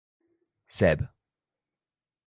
Seb.